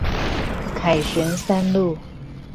凱旋三路